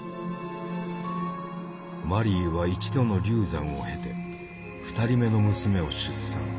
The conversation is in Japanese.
マリーは一度の流産を経て２人目の娘を出産。